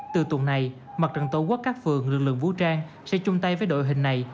từ tuần này mặt trận tổ quốc các phường lực lượng vũ trang sẽ chung tay với đội hình này